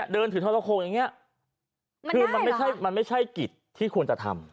เดินถึงทะละโคงอย่างนี้คือมันไม่ใช่กฤทธิ์ที่ควรจะทำ